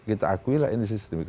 kita akui lah ini sistemik